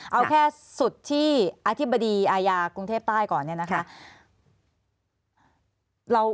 เอาแค่สุดที่อธิบดีอายากรุงเทพใต้ก่อนเนี่ยนะคะ